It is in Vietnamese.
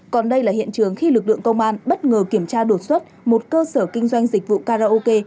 còn đây là hiện trường khi lực lượng công an bất ngờ kiểm tra đột xuất một cơ sở kinh doanh dịch vụ karaoke